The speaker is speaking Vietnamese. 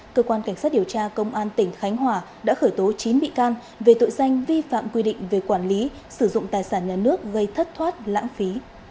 cơ quan cảnh sát điều tra công an tỉnh khánh hòa đã khởi tố chín bị can về tội danh vi phạm quy định về quản lý sử dụng tài sản nhà nước gây thất thoát lãng phí